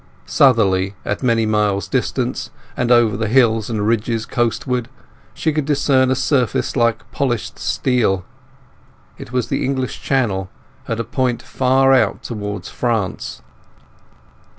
Southerly, at many miles' distance, and over the hills and ridges coastward, she could discern a surface like polished steel: it was the English Channel at a point far out towards France.